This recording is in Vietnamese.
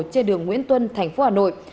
trên đường nguyễn tuân thành phố hà nội